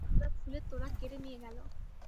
দাদা ফুলের তোড়া কেড়ে নিয়ে গেল।